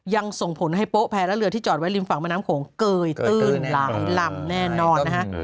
ส่งผลให้โป๊แพ้และเรือที่จอดไว้ริมฝั่งแม่น้ำโขงเกยตื้นหลายลำแน่นอนนะฮะ